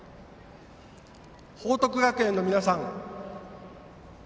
報徳学園の皆さん。